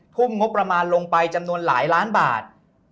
ทุ่มงบประมาณลงไปจำนวนหลายล้านบาท